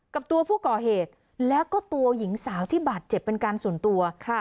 กับตัวผู้ก่อเหตุแล้วก็ตัวหญิงสาวที่บาดเจ็บเป็นการส่วนตัวค่ะ